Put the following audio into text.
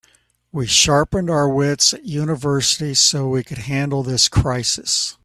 We sharpened our wits at university so we could handle this crisis.